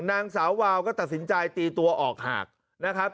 นางสาววาวก็ตัดสินใจตีตัวออกหากนะครับ